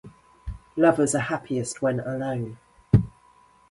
Lovers are happiest when alone.